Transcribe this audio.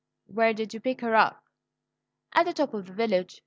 Where did you pick her up?" "At the top of the village.